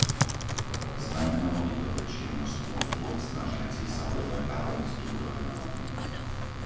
Znamenalo by to väčšie množstvo osôb snažiacich sa o nelegálny vstup do Európy.